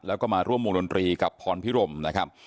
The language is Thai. แล้วก็มาร่วมวงดนตรีกับพรพิรมนะครับ